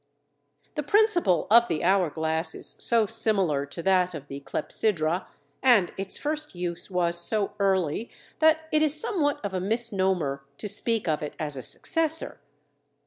The principle of the hour glass is so similar to that of the clepsydra, and its first use was so early, that it is somewhat of a misnomer to speak of it as a successor.